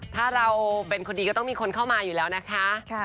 ถ้าเราเป็นคนดีก็ต้องมีคนเข้ามาอยู่แล้วนะคะ